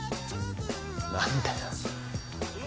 何だよ。